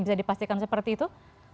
bisa dipastikan seperti itu